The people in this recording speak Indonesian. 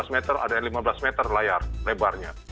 dua belas meter ada lima belas meter layar lebarnya